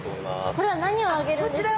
これは何をあげるんですか？